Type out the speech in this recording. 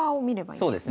そうですね。